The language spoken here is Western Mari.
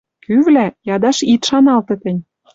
Кӱвлӓ — ядаш ит шаналты тӹнь.